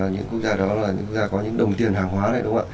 những quốc gia đó là những quốc gia có những đồng tiền hàng hóa này đúng không ạ